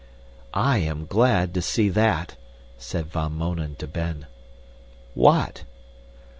"I am glad to see that," said Van Mounen to Ben. "What?"